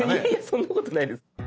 そんなことないです。